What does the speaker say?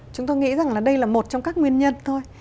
chúng tôi nghĩ rằng là đây là một trong các nguyên nhân thôi